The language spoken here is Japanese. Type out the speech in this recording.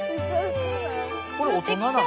これ大人なの？